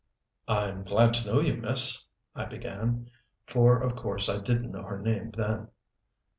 "I'm glad to know you, Miss " I began. For of course I didn't know her name, then.